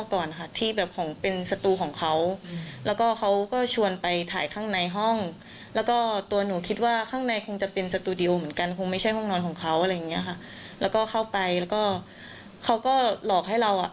ของเขาอะไรอย่างเงี้ยค่ะแล้วก็เข้าไปแล้วก็เขาก็หลอกให้เราอ่ะ